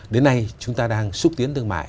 đến nay chúng ta đang xúc tiến thương mại